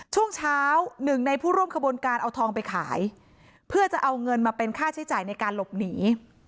ช่วงเช้าหนึ่งในผู้ร่วมขบวนการเอาทองไปขายเพื่อจะเอาเงินมาเป็นค่าใช้จ่ายในการหลบหนี